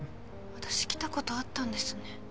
私来たことあったんですね。